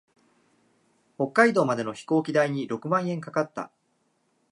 北海道までの飛行機代に六万円かかった。